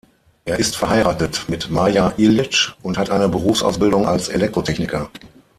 Er ist verheiratet mit Maja Ilić und hat eine Berufsausbildung als Elektrotechniker.